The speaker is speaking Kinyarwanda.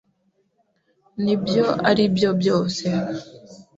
Nibyo aribyo byose?